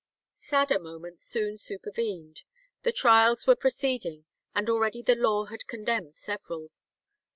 Sadder moments soon supervened. The trials were proceeding, and already the law had condemned several.